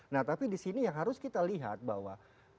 nah tapi disini yang harus kita lihat bahwa